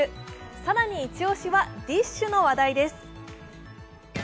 更にイチ押しは、ＤＩＳＨ／／の話題です